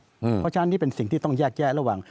เพราะฉะนั้นนี่เป็นสิ่งที่ต้องแยกแยะระหว่าง